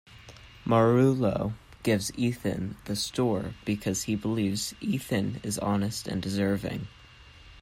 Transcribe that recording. Marullo gives Ethan the store because he believes Ethan is honest and deserving.